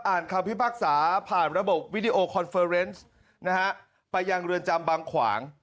อ่านคำพิพักษาผ่านระบบนะฮะไปยังเรือนจำบางขวาง